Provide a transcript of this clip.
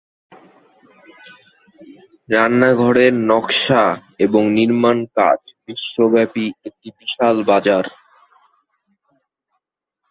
রান্নাঘরের নকশা এবং নির্মাণ কাজ বিশ্বব্যাপী একটি বিশাল বাজার।